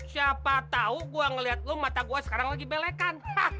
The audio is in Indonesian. siapa tahu gue ngeliat lu mata gue sekarang lagi belekan